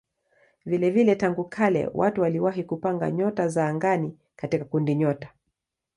Vilevile tangu kale watu waliwahi kupanga nyota za angani katika kundinyota.